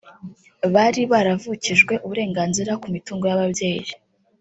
bari baravukijwe uburenganzira ku mitungo y’ababyeyi